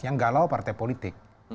yang galau partai politik